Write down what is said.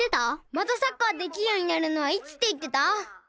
またサッカーできるようになるのはいつって言ってた？